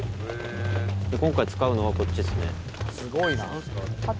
今回使うのはこっちですね。